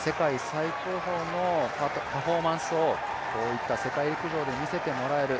最高峰のパフォーマンスをこういった世界陸上で見せてもらえる。